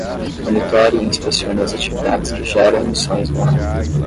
Monitore e inspecione as atividades que geram emissões no ar.